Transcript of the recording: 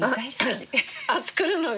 作るのが？